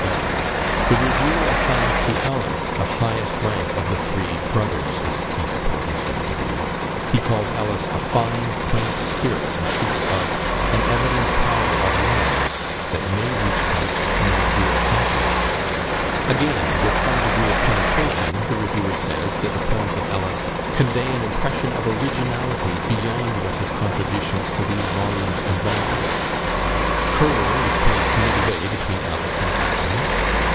Bell. The reviewer assigns to Ellis the highest rank of the three "brothers," as he supposes them to be; he calls Ellis "a fine, quaint spirit;" and speaks of "an evident power of wing that may reach heights not here attempted." Again, with some degree of penetration, the reviewer says, that the poems of Ellis "convey an impression of originality beyond what his contributions to these volumes embody." Currer is placed midway between Ellis and Acton.